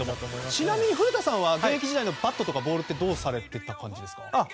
ちなみに古田さんは現役時代のバットやボールどうされていますか。